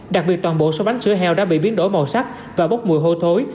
đặc biệt toàn bộ số bánh sữa heo đã bị biến đổi màu sắc và bốc mùi hôi thối